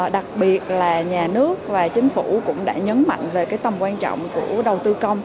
đặc biệt là nhà nước và chính phủ cũng đã nhấn mạnh về cái tầm quan trọng của đầu tư công